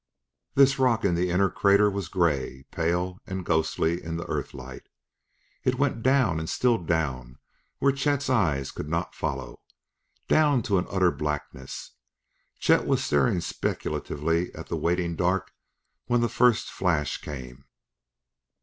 This rock in the inner crater was gray, pale and ghostly in the earthlight. It went down and still down where Chet's eyes could not follow down to an utter blackness. Chet was staring speculatively at that waiting dark when the first flash came.